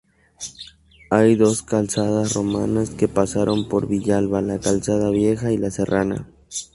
Hay dos calzadas romanas que pasaron por Villalba: la calzada Vieja y la Serrana.